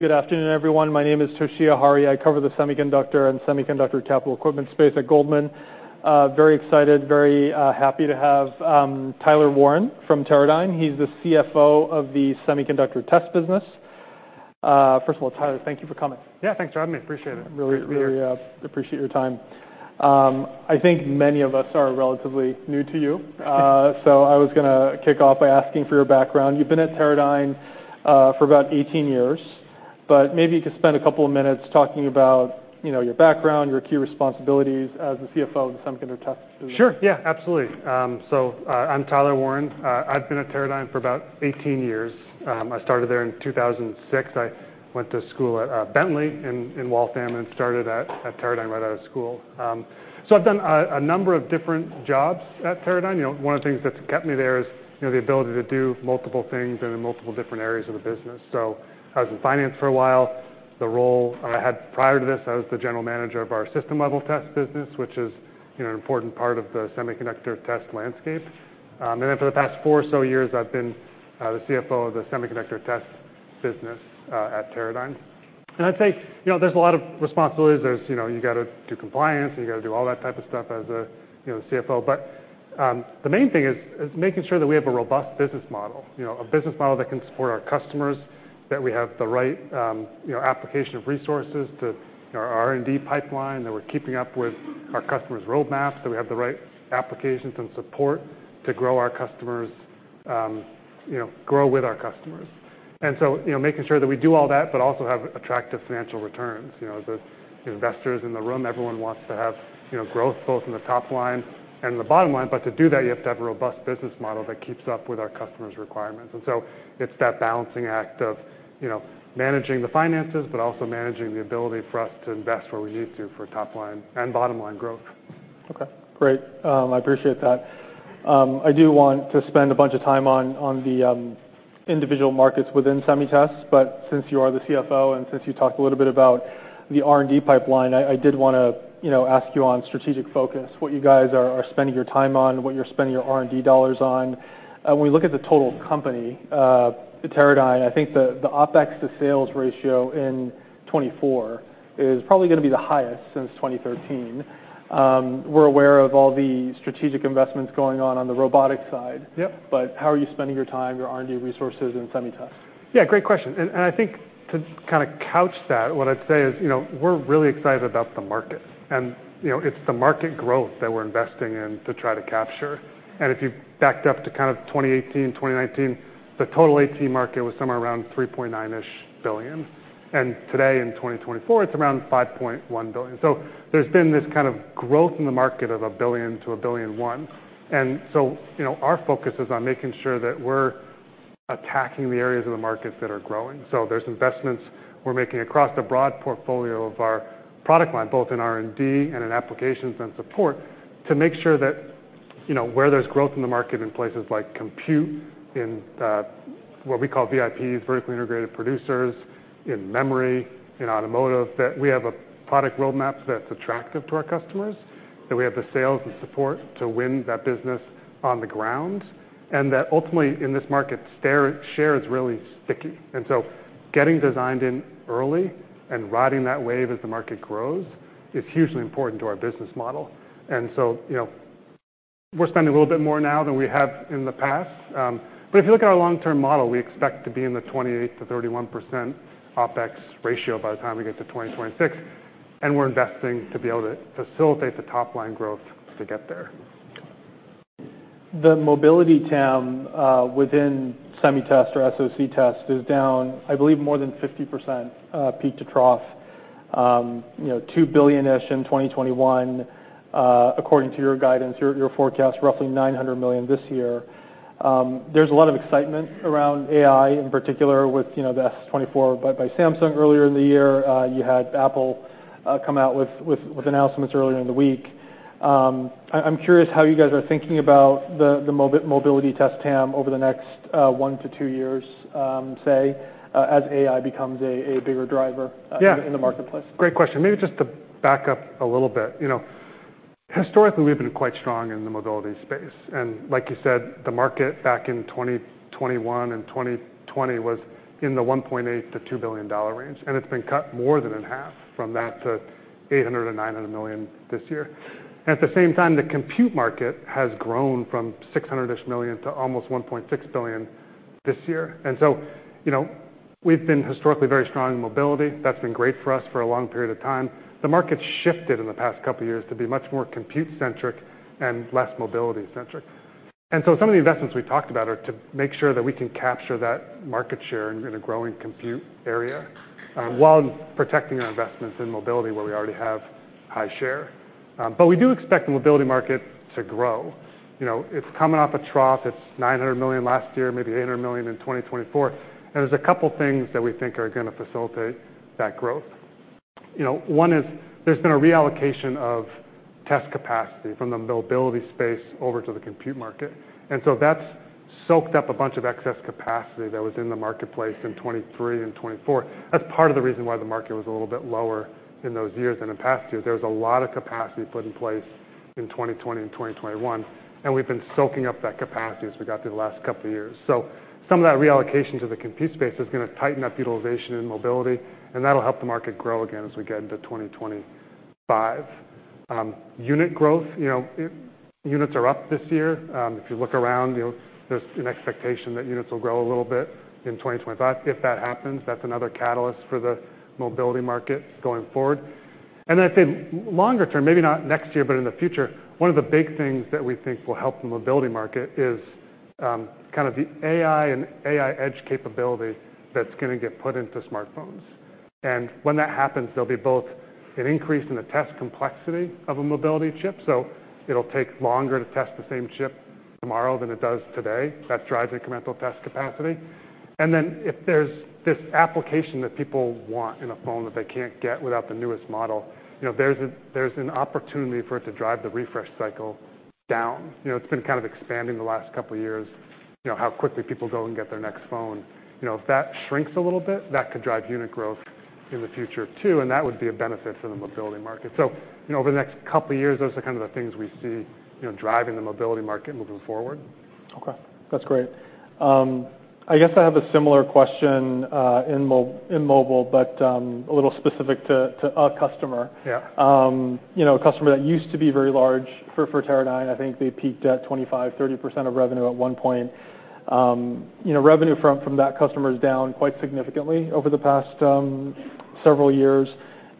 Good afternoon, everyone. My name is Toshiya Hari. I cover the semiconductor and semiconductor capital equipment space at Goldman. Very excited, very happy to have Tyler Warren from Teradyne. He's the CFO of the Semiconductor Test business. First of all, Tyler, thank you for coming. Yeah, thanks for having me. Appreciate it. Really, really appreciate your time. I think many of us are relatively new to you. So I was gonna kick off by asking for your background. You've been at Teradyne for about 18 years, but maybe you could spend a couple of minutes talking about, you know, your background, your key responsibilities as the CFO of the Semiconductor Test. Sure. Yeah, absolutely. So, I'm Tyler Warren. I've been at Teradyne for about 18 years. I started there in 2006. I went to school at Bentley in Waltham, and started at Teradyne, right out of school. So I've done a number of different jobs at Teradyne. You know, one of the things that's kept me there is, you know, the ability to do multiple things and in multiple different areas of the business. So I was in finance for a while. The role I had prior to this, I was the general manager of our system-level test business, which is, you know, an important part of the semiconductor test landscape. And then for the past four or so years, I've been the CFO of the Semiconductor Test business at Teradyne. And I'd say, you know, there's a lot of responsibilities. There's, you know, you gotta do compliance, and you gotta do all that type of stuff as a, you know, CFO. But the main thing is making sure that we have a robust business model, you know, a business model that can support our customers, that we have the right, you know, application of resources to our R&D pipeline, that we're keeping up with our customers' roadmaps, that we have the right applications and support to grow our customers, you know, grow with our customers. And so, you know, making sure that we do all that, but also have attractive financial returns. You know, the investors in the room, everyone wants to have, you know, growth both in the top line and the bottom line. But to do that, you have to have a robust business model that keeps up with our customers' requirements. And so it's that balancing act of, you know, managing the finances, but also managing the ability for us to invest where we need to for top-line and bottom-line growth. Okay, great. I appreciate that. I do want to spend a bunch of time on the individual markets within Semitest, but since you are the CFO and since you talked a little bit about the R&D pipeline, I did wanna, you know, ask you on strategic focus, what you guys are spending your time on, what you're spending your R&D Dollars on. When we look at the total company, the Teradyne, I think the OpEx to sales ratio in 2024 is probably gonna be the highest since 2013. We're aware of all the strategic investments going on on the robotics side. Yep. But how are you spending your time, your R&D resources in Semitest? Yeah, great question. And I think to kind of couch that, what I'd say is, you know, we're really excited about the market and, you know, it's the market growth that we're investing in to try to capture. And if you backed up to kind of 2018, 2019, the total ATE market was somewhere around $3.9 billion-ish, and today, in 2024, it's around $5.1 billion. So there's been this kind of growth in the market of $1 billion to $1.1 billion. And so, you know, our focus is on making sure that we're attacking the areas of the markets that are growing. So there's investments we're making across the broad portfolio of our product line, both in R&D and in applications and support, to make sure that, you know, where there's growth in the market, in places like compute, in what we call VIPs, vertically integrated producers, in memory, in automotive, that we have a product roadmap that's attractive to our customers, that we have the sales and support to win that business on the ground, and that ultimately in this market, share is really sticky. And so getting designed in early and riding that wave as the market grows is hugely important to our business model. And so, you know, we're spending a little bit more now than we have in the past. But if you look at our long-term model, we expect to be in the 28%-31% OpEx ratio by the time we get to 2026, and we're investing to be able to facilitate the top-line growth to get there. The mobility TAM within Semitest or SOC test is down, I believe, more than 50%, peak to trough. You know, $2 billion-ish in 2021. According to your guidance, your forecast, roughly $900 million this year. There's a lot of excitement around AI, in particular with, you know, the S24 by Samsung earlier in the year. You had Apple come out with announcements earlier in the week. I'm curious how you guys are thinking about the mobility test TAM over the next one to two years, say, as AI becomes a bigger driver- Yeah in the marketplace. Great question. Maybe just to back up a little bit. You know, historically, we've been quite strong in the mobility space, and like you said, the market back in 2021 and 2020 was in the $1.8-$2 billion range, and it's been cut more than in half from that to $800-$900 million this year. At the same time, the compute market has grown from $600 million to almost $1.6 billion this year. And so, you know, we've been historically very strong in mobility. That's been great for us for a long period of time. The market's shifted in the past couple of years to be much more compute-centric and less mobility-centric. And so some of the investments we talked about are to make sure that we can capture that market share in a growing compute area, while protecting our investments in mobility, where we already have high share. But we do expect the mobility market to grow. You know, it's coming off a trough. It's $900 million last year, maybe $800 million in 2024. And there's a couple things that we think are gonna facilitate that growth. You know, one is there's been a reallocation of test capacity from the mobility space over to the compute market, and so that's soaked up a bunch of excess capacity that was in the marketplace in 2023 and 2024. That's part of the reason why the market was a little bit lower in those years than in past years. There was a lot of capacity put in place in 2020 and 2021, and we've been soaking up that capacity as we got through the last couple of years, so some of that reallocation to the compute space is gonna tighten up utilization and mobility, and that'll help the market grow again as we get into 2025. Unit growth, you know, units are up this year. If you look around, you know, there's an expectation that units will grow a little bit in 2025. If that happens, that's another catalyst for the mobility market going forward, and I'd say longer term, maybe not next year, but in the future, one of the big things that we think will help the mobility market is kind of the AI and AI edge capability that's gonna get put into smartphones. And when that happens, there'll be both an increase in the test complexity of a mobility chip, so it'll take longer to test the same chip tomorrow than it does today. That drives incremental test capacity. And then if there's this application that people want in a phone that they can't get without the newest model, you know, there's an opportunity for it to drive the refresh cycle down. You know, it's been kind of expanding the last couple of years, you know, how quickly people go and get their next phone. You know, if that shrinks a little bit, that could drive unit growth in the future, too, and that would be a benefit to the mobility market. So, you know, over the next couple of years, those are kind of the things we see, you know, driving the mobility market moving forward. Okay, that's great. I guess I have a similar question in mobile, but a little specific to a customer. Yeah. You know, a customer that used to be very large for Teradyne. I think they peaked at 25-30% of revenue at one point. You know, revenue from that customer is down quite significantly over the past several years.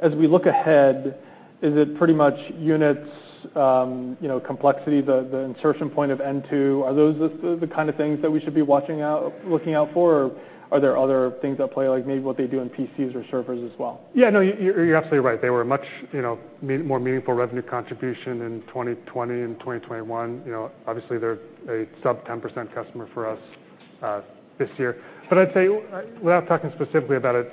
As we look ahead, is it pretty much units, you know, complexity, the insertion point of N2? Are those the kind of things that we should be watching out, looking out for, or are there other things at play, like maybe what they do in PCs or servers as well? Yeah, no, you're absolutely right. They were a much more meaningful revenue contribution in 2020 and 2021. You know, obviously, they're a sub-10% customer for us this year. But I'd say, without talking specifically about a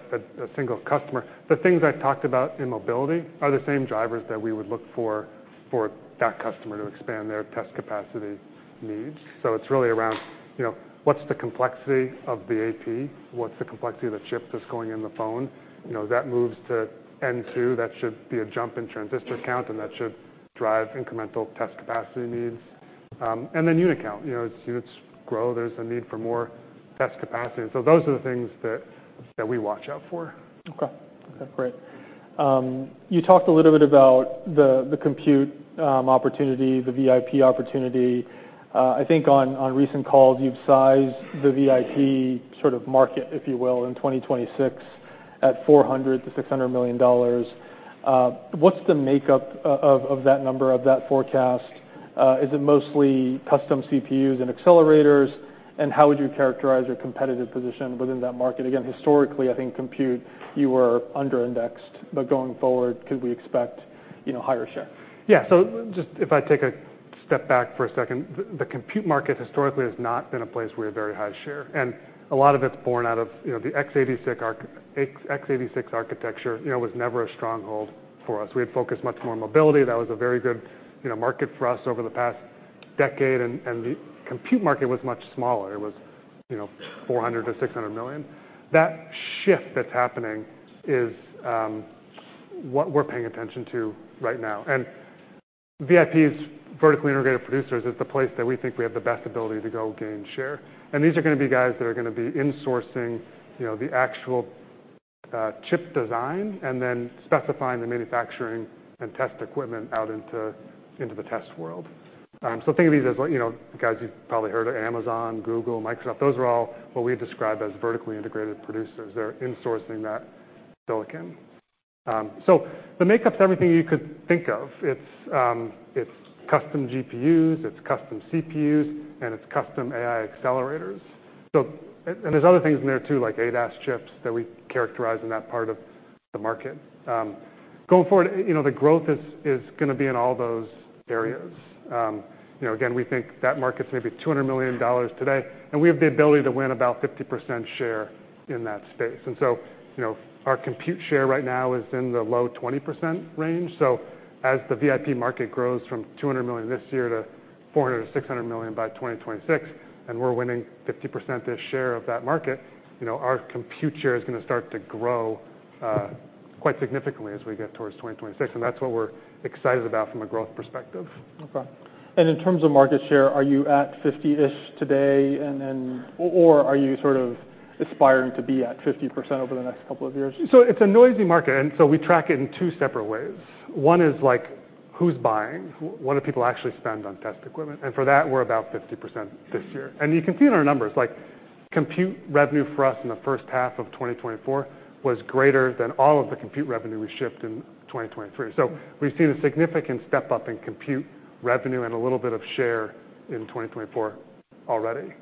single customer, the things I've talked about in mobility are the same drivers that we would look for for that customer to expand their test capacity needs. So it's really around, you know, what's the complexity of the AP? What's the complexity of the chip that's going in the phone? You know, that moves to N2, that should be a jump in transistor count, and that should drive incremental test capacity needs, and then unit count. You know, as units grow, there's a need for more test capacity, so those are the things that we watch out for. Okay. Okay, great. You talked a little bit about the compute opportunity, the VIP opportunity. I think on recent calls, you've sized the VIP sort of market, if you will, in 2026, at $400 million-$600 million. What's the makeup of that number, of that forecast? Is it mostly custom CPUs and accelerators, and how would you characterize your competitive position within that market? Again, historically, I think compute, you were under-indexed, but going forward, could we expect, you know, higher share? Yeah. So just if I take a step back for a second, the compute market historically has not been a place we had very high share, and a lot of it's born out of, you know, the x86 architecture, you know, was never a stronghold for us. We had focused much more on mobility. That was a very good, you know, market for us over the past decade, and the compute market was much smaller. It was, you know, $400 million-$600 million. That shift that's happening is what we're paying attention to right now. And VIP's, vertically integrated producers, is the place that we think we have the best ability to go gain share. And these are gonna be guys that are gonna be insourcing, you know, the actual, chip design and then specifying the manufacturing and test equipment out into the test world. So think of these as, you know, guys you've probably heard of Amazon, Google, Microsoft. Those are all what we describe as vertically integrated producers. They're insourcing that silicon. So the makeup's everything you could think of. It's custom GPUs, it's custom CPUs, and it's custom AI accelerators. So and there's other things in there, too, like ADAS chips that we characterize in that part of the market. Going forward, you know, the growth is gonna be in all those areas. You know, again, we think that market's maybe $200 million today, and we have the ability to win about 50% share in that space. And so, you know, our compute share right now is in the low 20% range. So as the VIP market grows from $200 million this year to $400 million-$600 million by 2026, and we're winning 50% share of that market, you know, our compute share is gonna start to grow quite significantly as we get towards 2026, and that's what we're excited about from a growth perspective. Okay. And in terms of market share, are you at fifty-ish today, and then... Or, or are you sort of aspiring to be at 50% over the next couple of years? So it's a noisy market, and so we track it in two separate ways. One is, like, who's buying? What do people actually spend on test equipment? And for that, we're about 50% this year. And you can see it in our numbers, like, compute revenue for us in the first half of 2024 was greater than all of the compute revenue we shipped in 2023. So we've seen a significant step-up in compute revenue and a little bit of share in 2024 already.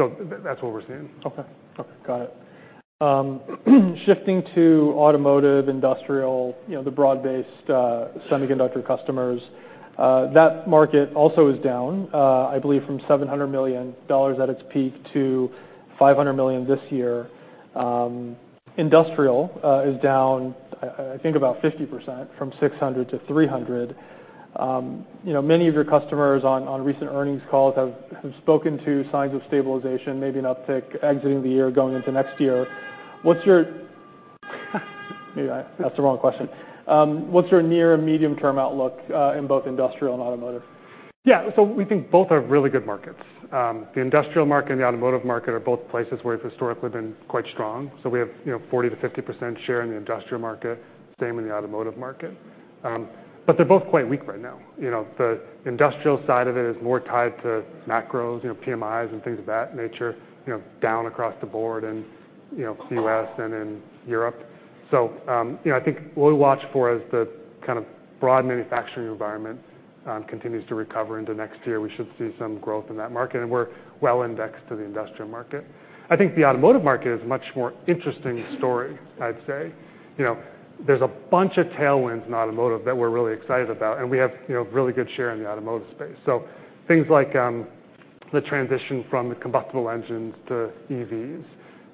So that's what we're seeing. Okay. Okay, got it. Shifting to automotive, industrial, you know, the broad-based semiconductor customers, that market also is down, I believe from $700 million at its peak to $500 million this year. Industrial is down, I think about 50%, from $600 million to $300 million. You know, many of your customers on recent earnings calls have spoken to signs of stabilization, maybe an uptick exiting the year, going into next year. What's your- Maybe I asked the wrong question. What's your near- and medium-term outlook in both industrial and automotive?... Yeah, so we think both are really good markets. The industrial market and the automotive market are both places where we've historically been quite strong. So we have, you know, 40%-50% share in the industrial market, same in the automotive market. But they're both quite weak right now. You know, the industrial side of it is more tied to macros, you know, PMIs and things of that nature, you know, down across the board and, you know, U.S. and in Europe. So, you know, I think what we watch for is the kind of broad manufacturing environment continues to recover into next year. We should see some growth in that market, and we're well indexed to the industrial market. I think the automotive market is a much more interesting story, I'd say. You know, there's a bunch of tailwinds in automotive that we're really excited about, and we have, you know, really good share in the automotive space. So things like the transition from the combustion engines to EVs,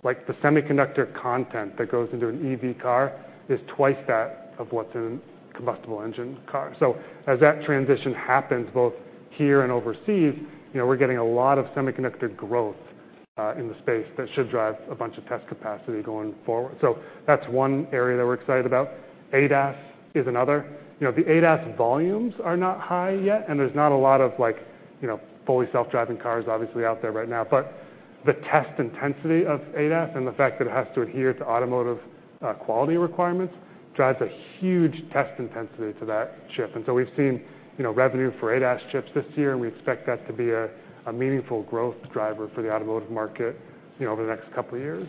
like the semiconductor content that goes into an EV car, is twice that of what's in a combustion engine car. So as that transition happens, both here and overseas, you know, we're getting a lot of semiconductor growth in the space that should drive a bunch of test capacity going forward. So that's one area that we're excited about. ADAS is another. You know, the ADAS volumes are not high yet, and there's not a lot of like, you know, fully self-driving cars obviously out there right now. But the test intensity of ADAS and the fact that it has to adhere to automotive quality requirements drives a huge test intensity to that chip. And so we've seen, you know, revenue for ADAS chips this year, and we expect that to be a meaningful growth driver for the automotive market, you know, over the next couple of years.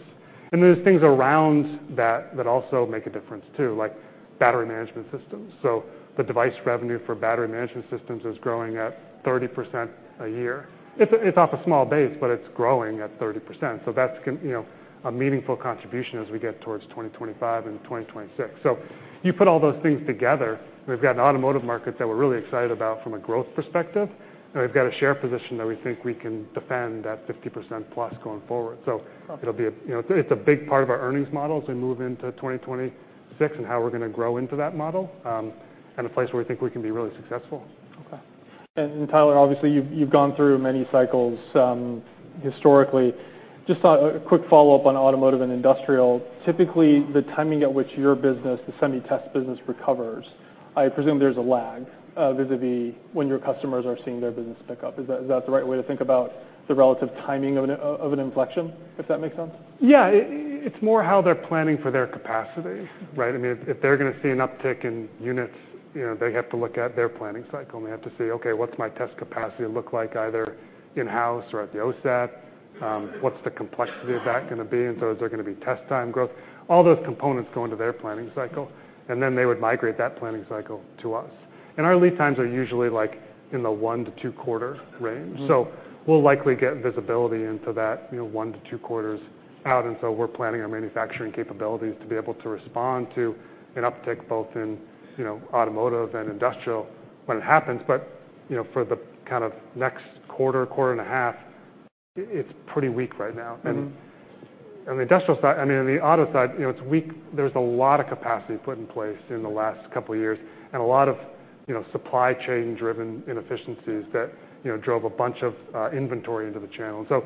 And then there's things around that that also make a difference too, like battery management systems. So the device revenue for battery management systems is growing at 30% a year. It's off a small base, but it's growing at 30%, so that's you know, a meaningful contribution as we get towards 2025 and 2026. So you put all those things together, we've got an automotive market that we're really excited about from a growth perspective, and we've got a share position that we think we can defend that 50% plus going forward. So it'll be a, you know, it's a big part of our earnings model as we move into 2026 and how we're gonna grow into that model, and a place where we think we can be really successful. Okay. And Tyler, obviously, you've gone through many cycles, historically. Just a quick follow-up on automotive and industrial. Typically, the timing at which your business, the semi test business, recovers, I presume there's a lag, vis-a-vis when your customers are seeing their business pick up. Is that the right way to think about the relative timing of an inflection, if that makes sense? Yeah. It's more how they're planning for their capacity, right? I mean, if they're gonna see an uptick in units, you know, they have to look at their planning cycle, and they have to see, "Okay, what's my test capacity look like, either in-house or at the OSAT? What's the complexity of that gonna be? And so is there gonna be test time growth?" All those components go into their planning cycle, and then they would migrate that planning cycle to us. And our lead times are usually, like, in the one to two quarter range. Mm-hmm. So we'll likely get visibility into that, you know, one to two quarters out, and so we're planning our manufacturing capabilities to be able to respond to an uptick, both in, you know, automotive and industrial when it happens. But, you know, for the kind of next quarter, quarter and a half, it's pretty weak right now. Mm-hmm. On the industrial side, I mean, on the auto side, you know, it's weak. There's a lot of capacity put in place in the last couple of years and a lot of, you know, supply chain-driven inefficiencies that, you know, drove a bunch of inventory into the channel. So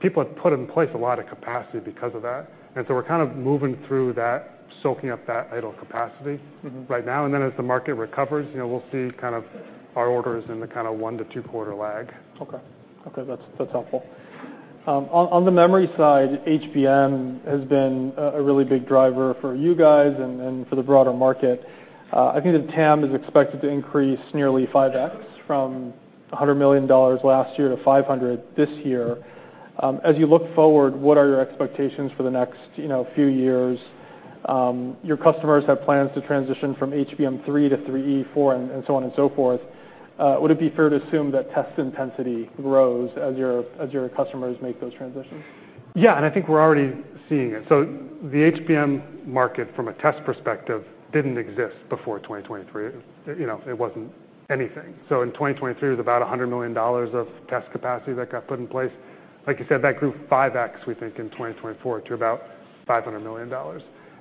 people have put in place a lot of capacity because of that. And so we're kind of moving through that, soaking up that idle capacity- Mm-hmm... right now, and then as the market recovers, you know, we'll see kind of our orders in the kinda one- to two-quarter lag. Okay. Okay, that's helpful. On the memory side, HBM has been a really big driver for you guys and for the broader market. I think the TAM is expected to increase nearly 5x, from $100 million last year to $500 million this year. As you look forward, what are your expectations for the next, you know, few years? Your customers have plans to transition from HBM3 to HBM3E, HBM4, and so on and so forth. Would it be fair to assume that test intensity grows as your customers make those transitions? Yeah, and I think we're already seeing it. So the HBM market, from a test perspective, didn't exist before 2023. You know, it wasn't anything. So in 2023, it was about $100 million of test capacity that got put in place. Like you said, that grew 5x, we think, in 2024, to about $500 million.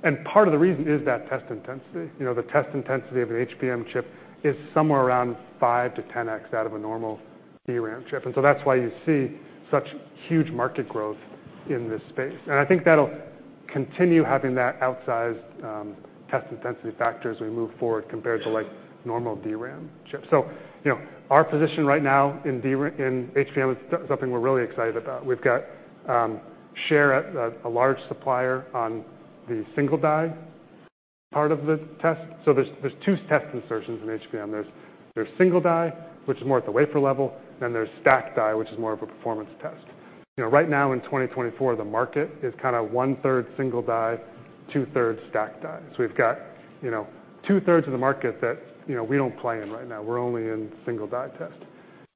And part of the reason is that test intensity. You know, the test intensity of an HBM chip is somewhere around 5-10x out of a normal DRAM chip, and so that's why you see such huge market growth in this space. And I think that'll continue having that outsized test intensity factor as we move forward, compared to, like, normal DRAM chips. So, you know, our position right now in HBM is something we're really excited about. We've got share at a large supplier on the single die part of the test. So there's two test insertions in HBM. There's single die, which is more at the wafer level, then there's stacked die, which is more of a performance test. You know, right now, in 2024, the market is kinda one-third single die, two-thirds stacked die. So we've got, you know, two-thirds of the market that, you know, we don't play in right now. We're only in single die test.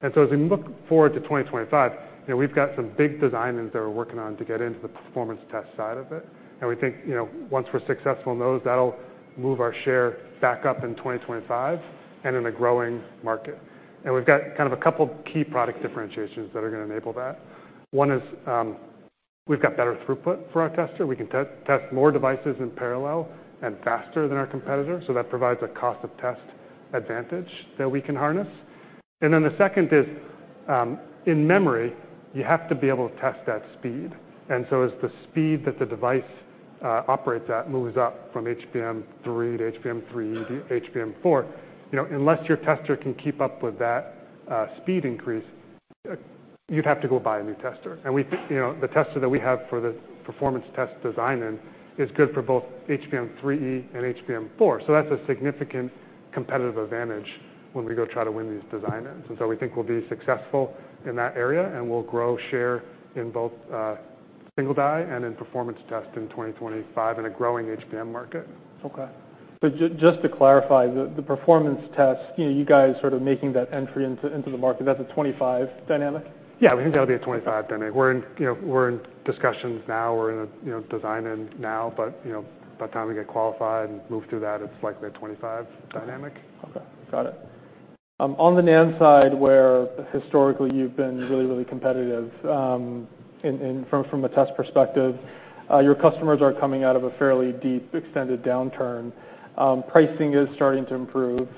And so as we look forward to 2025, you know, we've got some big designs that we're working on to get into the performance test side of it. And we think, you know, once we're successful in those, that'll move our share back up in 2025 and in a growing market. And we've got kind of a couple key product differentiations that are gonna enable that. One is, we've got better throughput for our tester. We can test more devices in parallel and faster than our competitor, so that provides a cost of test advantage that we can harness. And then the second is, in memory, you have to be able to test that speed. And so as the speed that the device operates at moves up from HBM3 to HBM3E to HBM4, you know, unless your tester can keep up with that speed increase, you'd have to go buy a new tester. And we, you know, the tester that we have for the performance test design in, is good for both HBM3E and HBM4. So that's a significant competitive advantage when we go try to win these design-ins. And so we think we'll be successful in that area, and we'll grow share in both, single die and in performance test in 2025, in a growing HBM market. Okay. So just to clarify, the performance test, you know, you guys sort of making that entry into the market, that's a 2025 dynamic? Yeah, we think that'll be a 2025 dynamic. We're in, you know, we're in discussions now. We're in a, you know, design-in now, but, you know, by the time we get qualified and move through that, it's likely a 2025 dynamic. Okay, got it. On the NAND side, where historically you've been really, really competitive from a test perspective, your customers are coming out of a fairly deep, extended downturn. Pricing is starting to improve,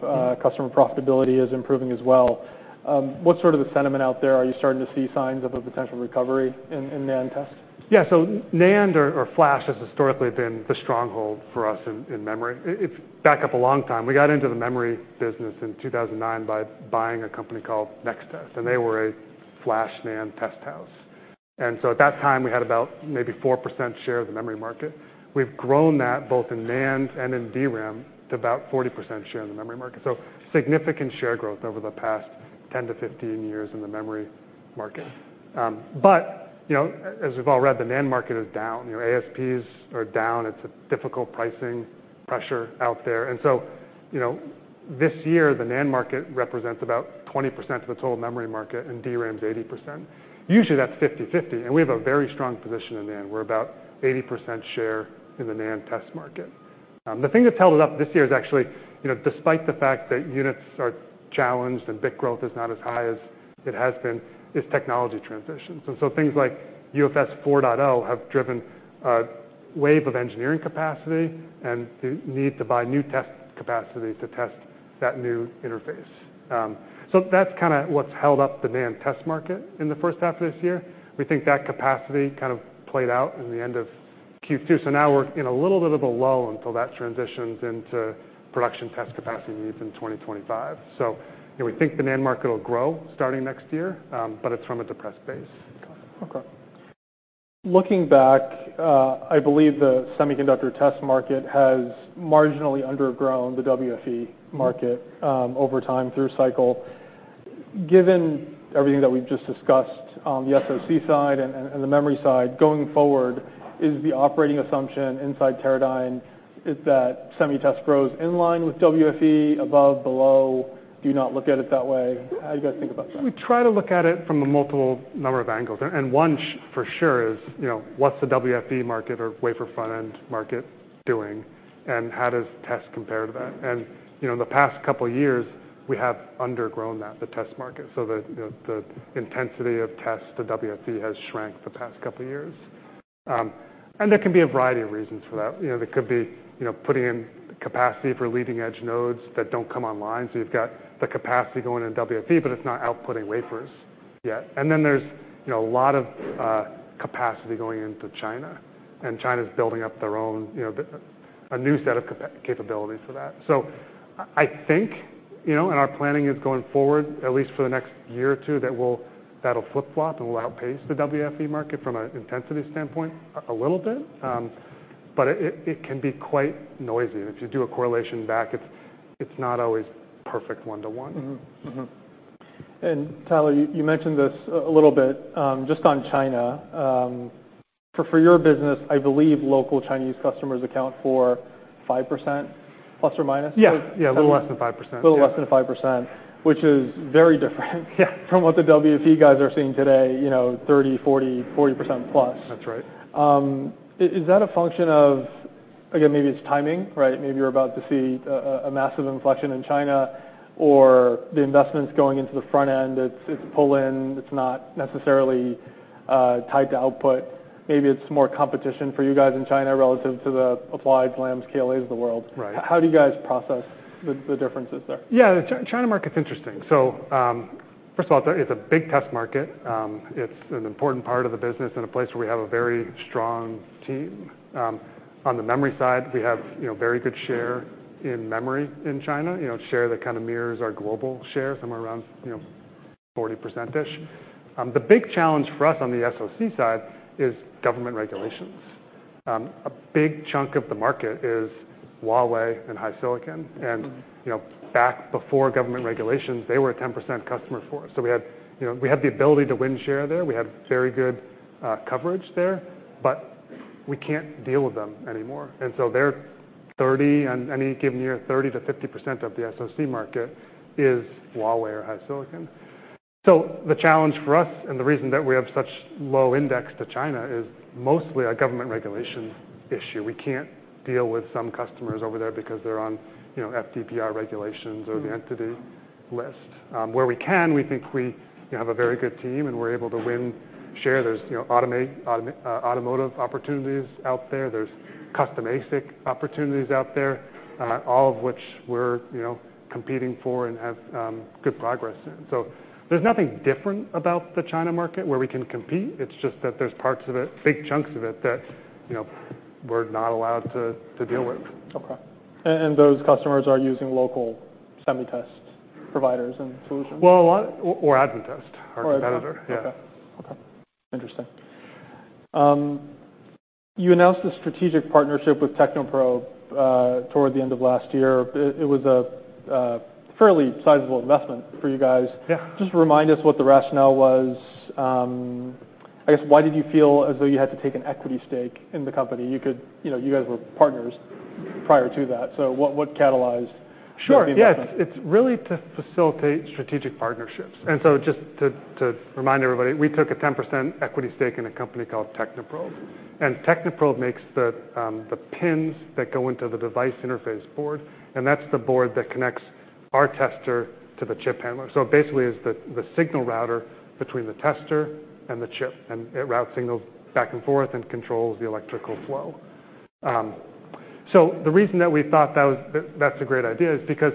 customer profitability is improving as well. What's sort of the sentiment out there? Are you starting to see signs of a potential recovery in NAND test? Yeah, so NAND or flash has historically been the stronghold for us in memory. Back up a long time, we got into the memory business in two thousand and nine by buying a company called Nextest, and they were a flash NAND test house. And so at that time, we had about maybe 4% share of the memory market. We've grown that both in NAND and in DRAM, to about 40% share in the memory market. So significant share growth over the past 10 to 15 years in the memory market. But, you know, as we've all read, the NAND market is down. You know, ASPs are down. It's a difficult pricing pressure out there. And so, you know, this year, the NAND market represents about 20% of the total memory market, and DRAM is 80%. Usually, that's 50/50, and we have a very strong position in NAND. We're about 80% share in the NAND test market. The thing that's held it up this year is actually, you know, despite the fact that units are challenged and bit growth is not as high as it has been, is technology transitions. And so things like UFS 4.0 have driven a wave of engineering capacity, and the need to buy new test capacity to test that new interface. So that's kinda what's held up the NAND test market in the first half of this year. We think that capacity kind of played out in the end of Q2, so now we're in a little bit of a lull until that transitions into production test capacity needs in 2025. You know, we think the NAND market will grow starting next year, but it's from a depressed base. Got it. Okay. Looking back, I believe the Semiconductor Test market has marginally undergrown the WFE market, over time, through cycle. Given everything that we've just discussed on the SOC side and the memory side, going forward, is the operating assumption inside Teradyne is that Semitest grows in line with WFE, above, below? Do you not look at it that way? How do you guys think about that? We try to look at it from a multiple number of angles, and one for sure is, you know, what's the WFE market or wafer front-end market doing, and how does test compare to that? And, you know, in the past couple of years, we have undergrown that, the test market, so the, you know, the intensity of test to WFE has shrank the past couple of years. And there can be a variety of reasons for that. You know, there could be, you know, putting in capacity for leading-edge nodes that don't come online, so you've got the capacity going in WFE, but it's not outputting wafers yet. And then there's, you know, a lot of capacity going into China, and China's building up their own, you know, a new set of capabilities for that. So, I think, you know, and our planning is going forward, at least for the next year or two, that that'll flip-flop, and we'll outpace the WFE market from an intensity standpoint, a little bit. But it can be quite noisy. If you do a correlation back, it's not always perfect one-to-one. Mm-hmm. Mm-hmm. And Tyler, you mentioned this a little bit, just on China. For your business, I believe local Chinese customers account for 5%, plus or minus? Yeah. Yeah, a little less than 5%. A little less than 5%, which is very different. Yeah... from what the WFE guys are seeing today, you know, 30, 40, 40% plus. That's right. Is that a function of, again, maybe it's timing, right? Maybe you're about to see a massive inflection in China, or the investments going into the front end, it's pull in, it's not necessarily tied to output. Maybe it's more competition for you guys in China relative to the Applied, Lam's, KLA's of the world. Right. How do you guys process the differences there? Yeah, the China market's interesting. So, first of all, it's a big test market. It's an important part of the business and a place where we have a very strong team. On the memory side, we have, you know, very good share in memory in China, you know, share that kind of mirrors our global share, somewhere around, you know, 40%-ish. The big challenge for us on the SOC side is government regulations. A big chunk of the market is Huawei and HiSilicon, and, you know, back before government regulations, they were a 10% customer for us. So we had, you know, we had the ability to win share there. We had very good coverage there, but we can't deal with them anymore. And so they're 30, on any given year, 30%-50% of the SOC market is Huawei or HiSilicon. So the challenge for us, and the reason that we have such low index to China, is mostly a government regulation issue. We can't deal with some customers over there because they're on, you know, FDPR regulations or the Entity List. Where we can, we think we, you know, have a very good team, and we're able to win share. There's, you know, automotive opportunities out there. There's custom ASIC opportunities out there, all of which we're, you know, competing for and have good progress in. So there's nothing different about the China market where we can compete. It's just that there's parts of it, big chunks of it that, you know, we're not allowed to deal with. Okay. And those customers are using local semi test providers and solutions? A lot, or Advantest, our competitor. Yeah. Okay. Okay, interesting. You announced a strategic partnership with Technoprobe toward the end of last year. It was a fairly sizable investment for you guys. Yeah. Just remind us what the rationale was. I guess, why did you feel as though you had to take an equity stake in the company? You could, you know, you guys were partners prior to that, so what catalyzed- Sure. The investment? Yeah, it's really to facilitate strategic partnerships. So just to remind everybody, we took a 10% equity stake in a company called Technoprobe. And Technoprobe makes the pins that go into the device interface board, and that's the board that connects our tester to the chip handler. So basically, it's the signal router between the tester and the chip, and it routes signals back and forth and controls the electrical flow. So the reason that we thought that that's a great idea is because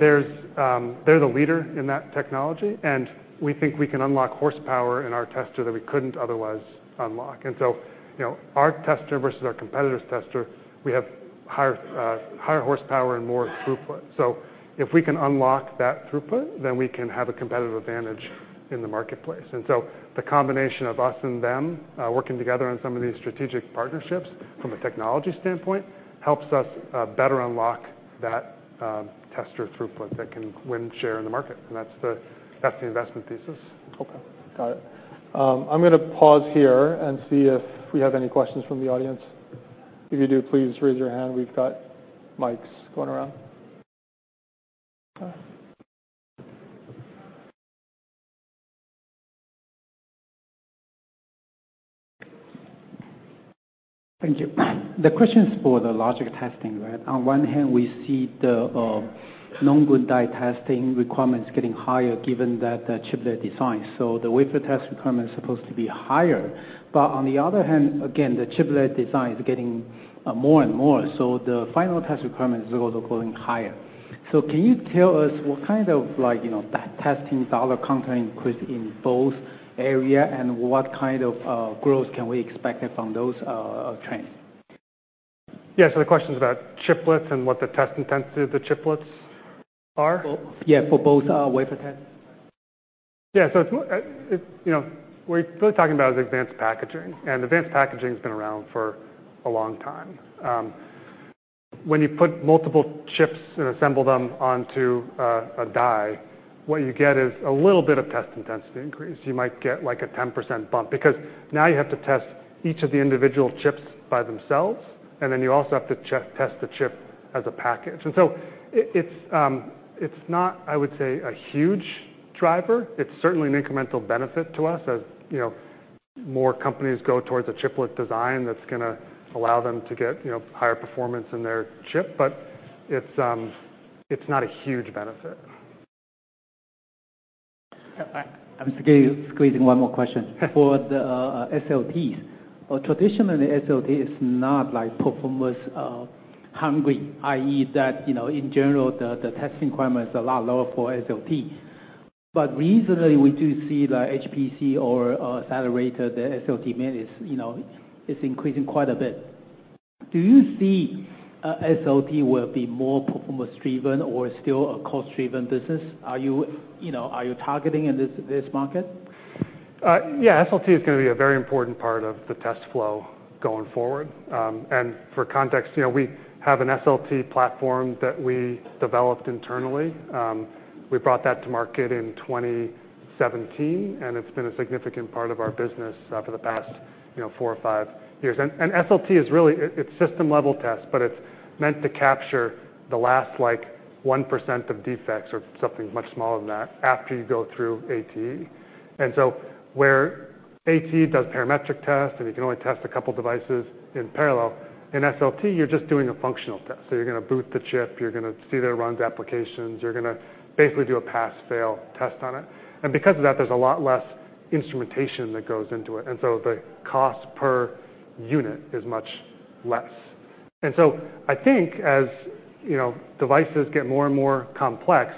there's they're the leader in that technology, and we think we can unlock horsepower in our tester that we couldn't otherwise unlock. And so, you know, our tester versus our competitor's tester, we have higher horsepower and more throughput. So if we can unlock that throughput, then we can have a competitive advantage in the marketplace. And so the combination of us and them working together on some of these strategic partnerships from a technology standpoint helps us better unlock that tester throughput that can win share in the market, and that's the investment thesis. Okay, got it. I'm gonna pause here and see if we have any questions from the audience. If you do, please raise your hand. We've got mics going around. Thank you. The question is for the logic testing, right? On one hand, we see the Known Good Die testing requirements getting higher given that the chiplet design. So the wafer test requirement is supposed to be higher. But on the other hand, again, the chiplet design is getting more and more, so the final test requirement is also going higher. So can you tell us what kind of, like, you know, that testing dollar content increase in both area, and what kind of growth can we expect it from those trends? Yeah, so the question is about chiplets and what the test intensity of the chiplets are? Yeah, for both, wafer test. Yeah, so it's. You know, what we're really talking about is advanced packaging, and advanced packaging has been around for a long time. When you put multiple chips and assemble them onto a die, what you get is a little bit of test intensity increase. You might get, like, a 10% bump because now you have to test each of the individual chips by themselves, and then you also have to test the chip as a package. So it's not, I would say, a huge driver. It's certainly an incremental benefit to us as, you know, more companies go towards a chiplet design that's gonna allow them to get, you know, higher performance in their chip, but it's not a huge benefit. Yeah, I'm squeezing one more question. Sure. For the SLTs. Traditionally, SLT is not like performance hungry, i.e., that you know in general the testing requirement is a lot lower for SLT. But recently, we do see like HPC or accelerator the SLT demand is you know it's increasing quite a bit. Do you see SLT will be more performance-driven or still a cost-driven business? Are you you know targeting in this market? Yeah, SLT is gonna be a very important part of the test flow going forward. And for context, you know, we have an SLT platform that we developed internally. We brought that to market in 2017, and it's been a significant part of our business, for the past, you know, four or five years. And SLT is really, it, it's system-level test, but it's meant to capture the last, like, 1% of defects or something much smaller than that, after you go through ATE. And so where ATE does parametric test, and you can only test a couple devices in parallel, in SLT, you're just doing a functional test. So you're gonna boot the chip, you're gonna see that it runs applications, you're gonna basically do a pass-fail test on it. And because of that, there's a lot less instrumentation that goes into it, and so the cost per unit is much less. And so I think as, you know, devices get more and more complex,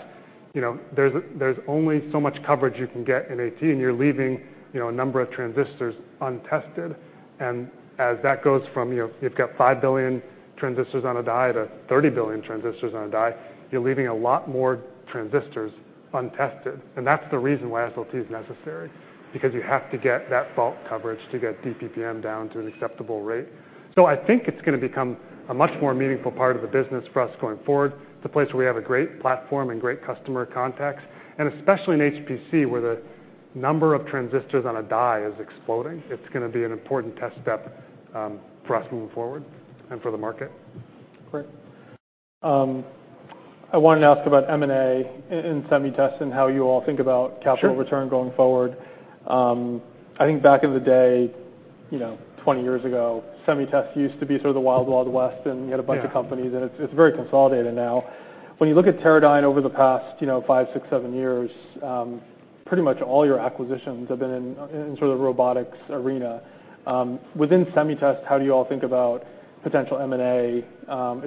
you know, there's only so much coverage you can get in ATE, and you're leaving, you know, a number of transistors untested. And as that goes from, you know, you've got five billion transistors on a die to 30 billion transistors on a die, you're leaving a lot more transistors untested. And that's the reason why SLT is necessary, because you have to get that fault coverage to get DPPM down to an acceptable rate. So I think it's gonna become a much more meaningful part of the business for us going forward. It's a place where we have a great platform and great customer contacts, and especially in HPC, where the number of transistors on a die is exploding. It's gonna be an important test step for us moving forward and for the market. Great. I wanted to ask about M&A in Semitest and how you all think about- Sure... capital return going forward. I think back in the day... you know, twenty years ago, semi-test used to be sort of the Wild Wild West, and you had a bunch- Yeah of companies, and it's very consolidated now. When you look at Teradyne over the past, you know, five, six, seven years, pretty much all your acquisitions have been in sort of robotics arena. Within semi-test, how do you all think about potential M&A?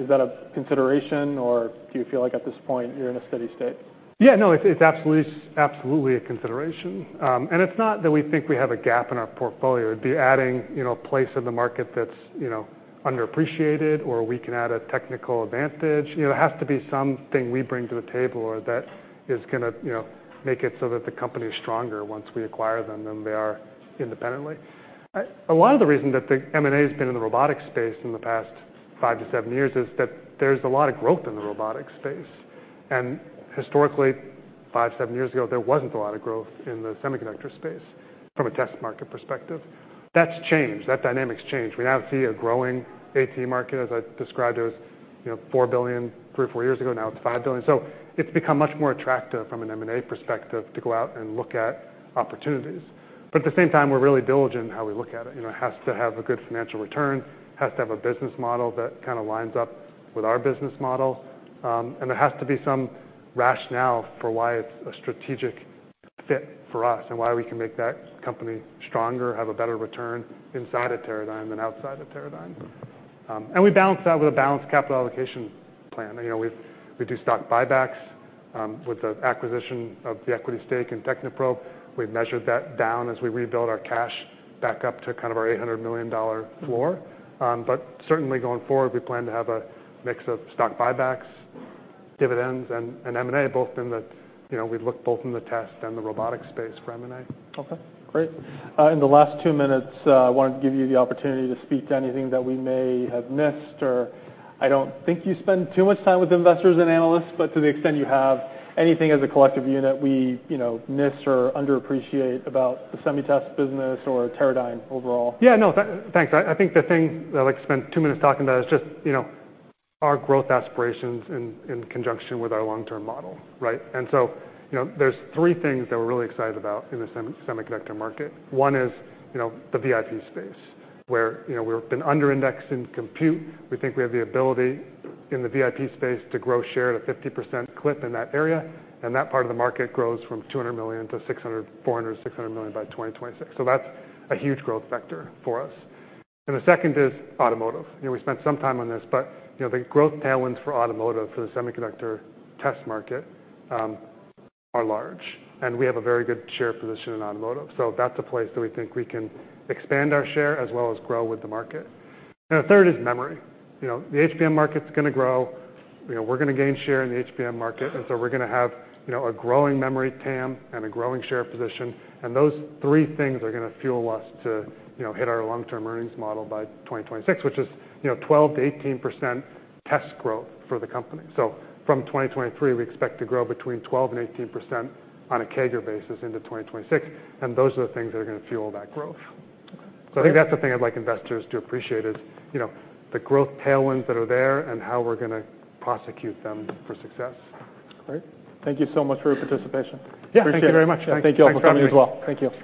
Is that a consideration, or do you feel like at this point you're in a steady state? Yeah, no, it's absolutely a consideration. And it's not that we think we have a gap in our portfolio. It'd be adding, you know, a place in the market that's, you know, underappreciated, or we can add a technical advantage. You know, it has to be something we bring to the table, or that is gonna, you know, make it so that the company is stronger once we acquire them than they are independently. A lot of the reason that the M&A has been in the robotics space in the past five to seven years is that there's a lot of growth in the robotics space, and historically, five, seven years ago, there wasn't a lot of growth in the semiconductor space from a test market perspective. That's changed. That dynamic's changed. We now see a growing ATE market, as I described. It was, you know, $4 billion three or four years ago. Now it's $5 billion. So it's become much more attractive from an M&A perspective to go out and look at opportunities. But at the same time, we're really diligent in how we look at it. You know, it has to have a good financial return, has to have a business model that kind of lines up with our business model, and there has to be some rationale for why it's a strategic fit for us and why we can make that company stronger, have a better return inside of Teradyne than outside of Teradyne, and we balance that with a balanced capital allocation plan. You know, we do stock buybacks with the acquisition of the equity stake in Technoprobe. We've measured that down as we rebuild our cash back up to kind of our $800 million floor, but certainly, going forward, we plan to have a mix of stock buybacks, dividends, and M&A, both in the, you know, we look both in the test and the robotic space for M&A. Okay, great. In the last two minutes, I wanted to give you the opportunity to speak to anything that we may have missed, or I don't think you spend too much time with investors and analysts, but to the extent you have anything as a collective unit, we, you know, miss or underappreciate about the semi-test business or Teradyne overall? Yeah, no, thanks. I think the thing that I'd like to spend two minutes talking about is just, you know, our growth aspirations in conjunction with our long-term model, right? And so, you know, there's three things that we're really excited about in the semiconductor market. One is, you know, the VIP space, where, you know, we've been underindexed in compute. We think we have the ability in the VIP space to grow share at a 50% clip in that area, and that part of the market grows from $200 million to $400 million and $600 million by 2026. So that's a huge growth vector for us. And the second is automotive. You know, we spent some time on this, but, you know, the growth tailwinds for automotive, for the Semiconductor Test market, are large, and we have a very good share position in automotive. So that's a place that we think we can expand our share as well as grow with the market. And the third is memory. You know, the HBM market's gonna grow. You know, we're gonna gain share in the HBM market, and so we're gonna have, you know, a growing memory TAM and a growing share position. And those three things are gonna fuel us to, you know, hit our long-term earnings model by 2026, which is, you know, 12%-18% test growth for the company. From 2023, we expect to grow between 12% and 18% on a CAGR basis into 2026, and those are the things that are gonna fuel that growth. Okay. So I think that's the thing I'd like investors to appreciate is, you know, the growth tailwinds that are there and how we're gonna prosecute them for success. Great. Thank you so much for your participation. Yeah. Appreciate it. Thank you very much. Thanks. Thank you for coming as well. Thank you.